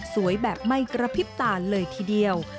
แบบไม่กระพริบตาเลยทีเดียว